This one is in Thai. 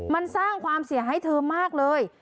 มันสร้างความเสียให้เธอมากเลย